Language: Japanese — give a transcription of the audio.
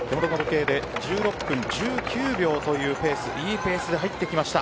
１６分１９秒といういいペースで入ってきました。